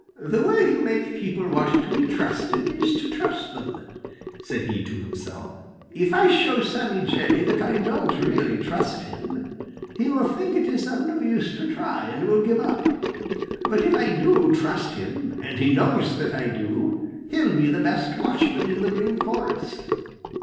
"The way to make people want to be trusted is to trust them," said he to himself. "If I show Sammy Jay that I don't really trust him, he will think it is of no use to try and will give it up. But if I do trust him, and he knows that I do, he'll be the best watchman in the Green Forest."